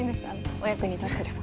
お役に立てれば。